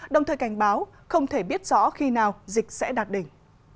đồng thời cảnh báo không thể biết rõ khi nào dịch sẽ đạt đỉnh